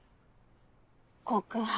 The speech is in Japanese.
告白。